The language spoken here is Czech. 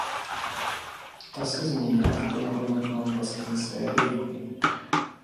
Ta se změnila v plnohodnotnou vlastní sérii.